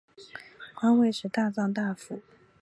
官位是大藏大辅。